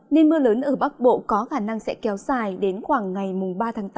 nên mưa lớn ở bắc bộ có khả năng sẽ kéo dài đến khoảng ngày ba tháng tám